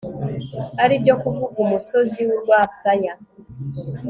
ari byo kuvuga umusozi w'urwasaya